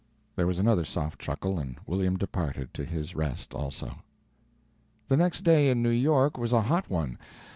There was another soft chuckle, and William departed to his rest also. The next day, in New York, was a hot one.